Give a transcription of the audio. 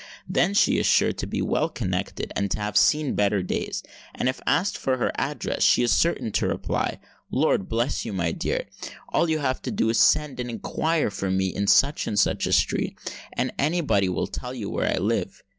Then she is sure to be well connected and to have seen better days: and if asked for her address, she is certain to reply, "Lord bless you, my dear: all you have to do is to send and inquire for me in such and such a street, and any body will tell you where I live."